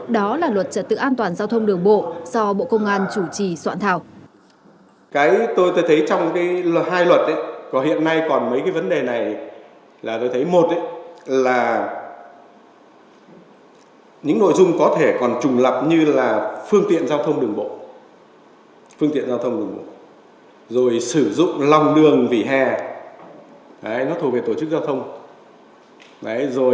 đó là luật trật tự an toàn giao thông đường bộ do bộ công an chủ trì soạn thảo